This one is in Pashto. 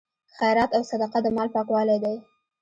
خیرات او صدقه د مال پاکوالی دی.